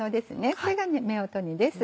それが夫婦煮です。